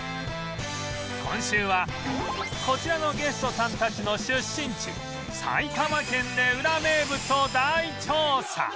今週はこちらのゲストさんたちの出身地埼玉県でウラ名物を大調査！